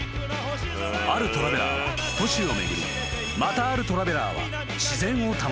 ［あるトラベラーは都市を巡りまたあるトラベラーは自然を楽しむ］